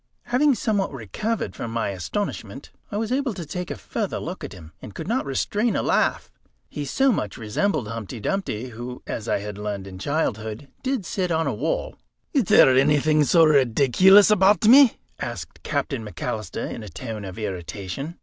Having somewhat recovered from my astonishment, I was able to take a further look at him, and could not restrain a laugh. He so much resembled Humpty Dumpty, who, as I had learned in childhood, did sit on a wall. "Is there anything so rideeculous about me?" asked Captain McAlister in a tone of irritation.